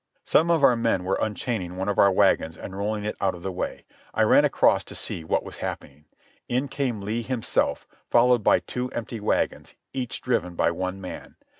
Some of our men were unchaining one of our wagons and rolling it out of the way. I ran across to see what was happening. In came Lee himself, followed by two empty wagons, each driven by one man.